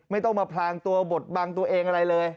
ไม่ต้องมาพลางตัวบทบังตัวเองอะไรเลย